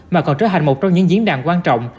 mà còn trở thành một trong những diễn đàn quan trọng